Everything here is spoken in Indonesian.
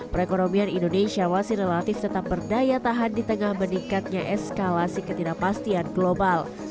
perekonomian indonesia masih relatif tetap berdaya tahan di tengah meningkatnya eskalasi ketidakpastian global